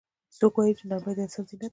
څوک وایي چې نرمۍ د انسان زینت ده